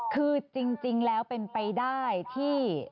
คือจริงแล้วเป็นไปได้ที่